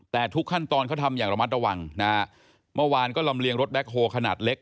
แต่ทุกขั้นตอนเขาทำอย่างระมัดระวังนะฮะเมื่อวานก็ลำเลียงรถแบ็คโฮลขนาดเล็ก